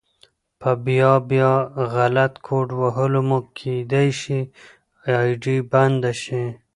په بيا بيا غلط کوډ وهلو مو کيدی شي آئيډي بنده شي